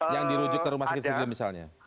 yang dirujuk ke rumah sakit siglim misalnya